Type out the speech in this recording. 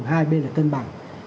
hai bên là cân bằng